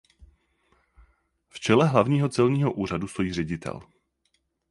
V čele hlavního celního úřadu stojí ředitel.